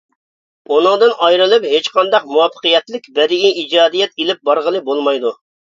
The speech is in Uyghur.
ئۇنىڭدىن ئايرىلىپ ھېچقانداق مۇۋەپپەقىيەتلىك بەدىئىي ئىجادىيەت ئېلىپ بارغىلى بولمايدۇ.